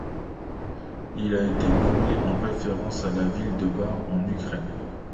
Il a été nommé en référence à la ville de Bar en Ukraine.